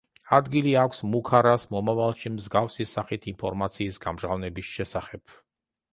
ადგილი აქვს მუქარას მომავალში მსგავსი სახით ინფორმაციის გამჟღავნების შესახებ.